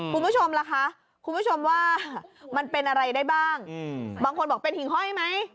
คุณผู้ชมล่ะคะคุณผู้ชมว่ามันเป็นอะไรได้บ้างบางคนบอกเป็นหิ่งห้อยไหม